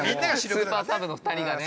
スーパーサブの２人がね。